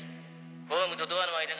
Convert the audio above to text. ホームとドアの間が。